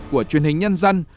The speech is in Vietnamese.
của truyền hình nhân dân